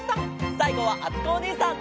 さいごはあつこおねえさん！